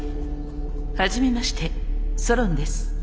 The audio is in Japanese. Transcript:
初めましてソロンです。